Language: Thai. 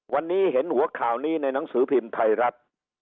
วันนี้เห็นหัวข่าวนี้ในหนังสือพิมพ์ไทยรัฐ